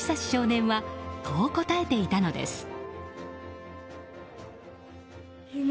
少年はこう答えていたのです。